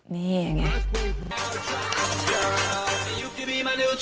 เนี่ยไง